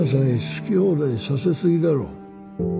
好き放題させ過ぎだろ。